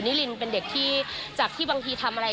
รินเป็นเด็กที่จากที่บางทีทำอะไร